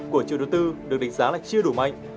của chủ đầu tư được định giá là chưa đủ mạnh